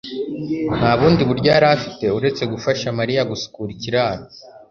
nta bundi buryo yari afite uretse gufasha Mariya gusukura ikiraro.